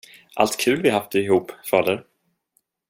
Allt kul vi haft ihop, fader?